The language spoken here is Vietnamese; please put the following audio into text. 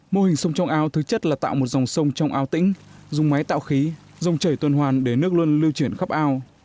mô hình sông trong ao thứ chất là tạo một dòng sông trong ao tĩnh dùng máy tạo khí dòng chảy tuần hoàn để nước luôn lưu chuyển khắp ao